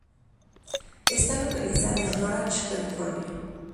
Está localizada en Orange, California.